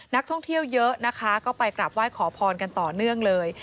นักท่องเที่ยวเยอะนะคะก็ไปกลับไหว้ขอพรกันต่อเนื่องเลย